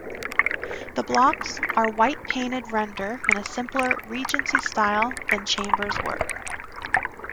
The blocks are white painted render in a simpler Regency style than Chambers' work.